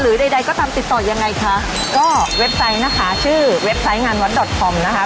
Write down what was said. ใดใดก็ตามติดต่อยังไงคะก็เว็บไซต์นะคะชื่อเว็บไซต์งานวัดดอตคอมนะคะ